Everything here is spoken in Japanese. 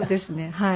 はい。